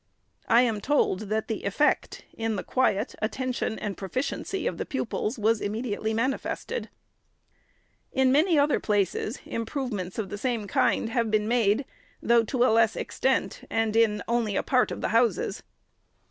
I am told, that the effect in the quiet, attention and proficiency of the pupils, was immediately manifested. In many other places, improvements of the same kind have been made, though to a less extent and in a part only of the houses.